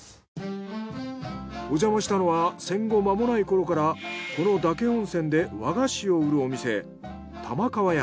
おじゃましたのは戦後まもないころからこの岳温泉で和菓子を売るお店玉川屋。